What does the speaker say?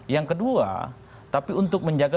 yang kedua tapi untuk menjaga